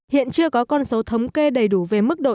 hiện chưa có con số thống kê đầy đủ về mức độ